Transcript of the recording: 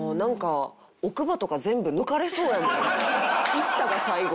行ったが最後。